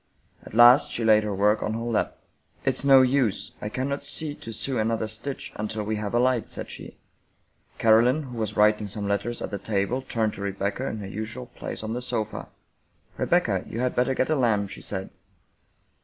At last she laid her work on her lap. " It's no use, I cannot see to sew another stitch until we have a light," said she. Caroline, who was writing some letters at the table, turned to Rebecca, in her usual place on the sofa. " Rebecca, you had better get a lamp," she said.